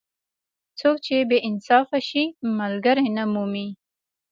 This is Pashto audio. څوک چې بې انصافه شي؛ ملګری نه مومي.